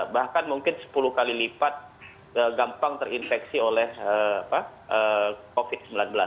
bahkan mungkin sepuluh kali lipat gampang terinfeksi oleh covid sembilan belas